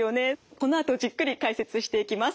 このあとじっくり解説していきます。